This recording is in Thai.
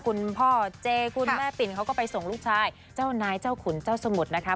คุณพ่อเจคุณแม่ปิ่นเขาก็ไปส่งลูกชายเจ้านายเจ้าขุนเจ้าสมุทรนะคะ